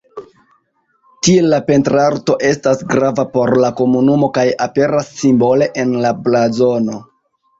Tiel la pentrarto estas grava por la komunumo kaj aperas simbole en la blazono.